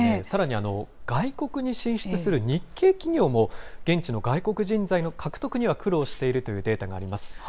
さらに外国に進出する日系企業も、現地の外国人材の獲得には苦労しているというデータがあります。